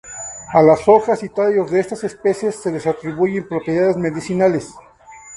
A las hojas y tallos de esta especie se les atribuye propiedades medicinales.